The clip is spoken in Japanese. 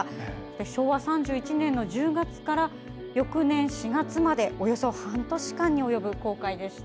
昭和３１年の１０月から翌年４月までおよそ半年間に及ぶ航海でした。